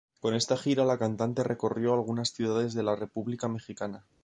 Con esta gira la cantante recorrió algunas ciudades de la República Mexicana.